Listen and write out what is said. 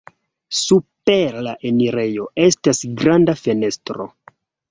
Super la enirejo estas granda fenestro.